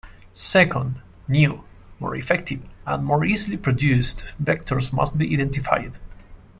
Second, new, more effective, and more easily produced vectors must be identified.